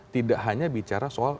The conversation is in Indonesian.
tidak hanya bicara soal